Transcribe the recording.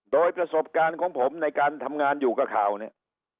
โดยประสบการณ์ของผมในการทำงานอยู่กับข่าวเนี่ย